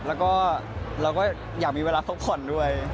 แล้วก็เราก็อยากมีเวลาพักผ่อนด้วย